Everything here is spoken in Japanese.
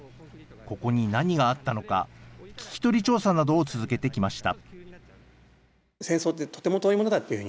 ここに何があったのか、聞き取り調査などを続けてきました。